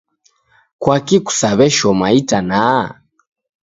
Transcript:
Kwaki kusaw'eshoma itanaha?